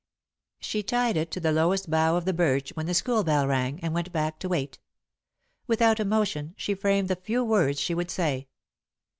She tied it to the lowest bough of the birch when the school bell rang, and went back to wait. Without emotion, she framed the few words she would say.